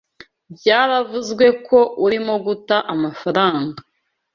Byaravuzwe ko urimo guta amafaranga.